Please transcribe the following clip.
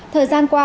thời gian qua